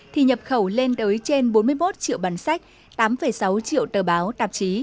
thì nhập khẩu lên tới trên bốn mươi một triệu bản sách tám sáu triệu tờ báo tạp chí